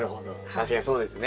確かにそうですね。